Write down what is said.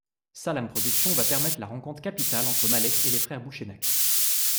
Salam Productions va permettre la rencontre capitale entre Malek et les Freres Bouchenak.